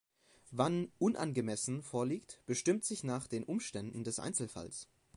Wann „unangemessen“ vorliegt, bestimmt sich nach den Umständen des Einzelfalls.